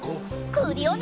クリオネ！